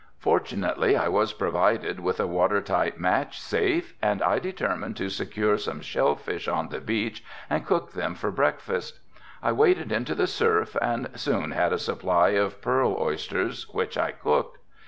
Fortunately I was provided with a water tight match safe and I determined to secure some shell fish on the beach and cook them for breakfast. I waded into the surf and soon had a supply of pearl oysters which I cooked.